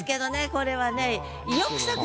これはね。